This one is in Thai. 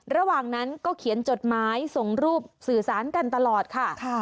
ระหว่างนั้นก็เขียนจดหมายส่งรูปสื่อสารกันตลอดค่ะ